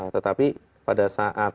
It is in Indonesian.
tetapi pada saat